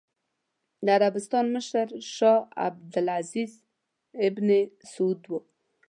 د عربستان مشر شاه عبد العزېز ابن سعود و.